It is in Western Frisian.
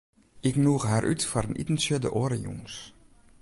Ik nûge har út foar in itentsje de oare jûns.